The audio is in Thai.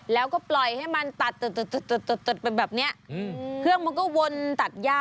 แล้วก็ปล่อยให้มันตัด